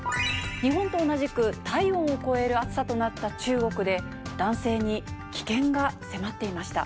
日本と同じく体温を超える暑さとなった中国で、男性に危険が迫っていました。